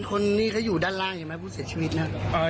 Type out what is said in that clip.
คนนี้คืออยู่ด้านล่างไมล่ะผู้เสียชีวิตนั้น